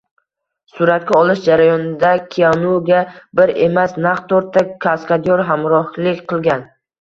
Suratga olish jarayonida Kianuga bir emas, naqd to‘rtta kaskadyor hamrohlik qilgan